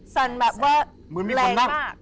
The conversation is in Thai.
สั่นแบบว่าแรงมาก